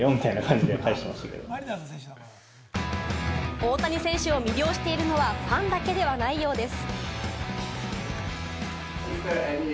大谷選手を魅了しているのはファンだけではないようです。